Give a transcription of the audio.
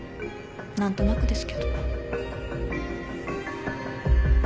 何となくですけど。